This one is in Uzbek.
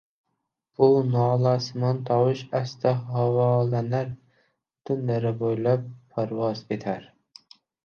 Bu nolasimon tovush asta havolanar, butun dara boʼylab parvoz etar